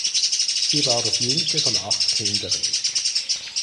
Sie war das jüngste von acht Kindern.